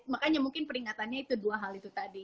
makanya mungkin peringatannya itu dua hal itu tadi